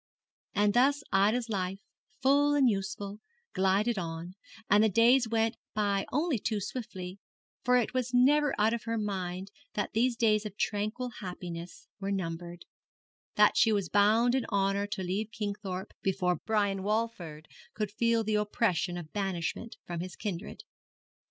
And thus Ida's life, full and useful, glided on, and the days went by only too swiftly; for it was never out of her mind that these days of tranquil happiness were numbered, that she was bound in honour to leave Kingthorpe before Brian Walford could feel the oppression of banishment from his kindred.